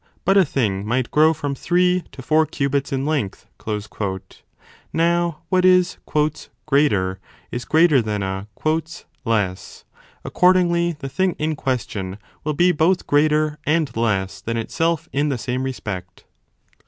But a thing might grow from three to four cubits in length ; now what is greater is greater than a less" : accordingly the thing in question will be both greater and less than itself in the same respect.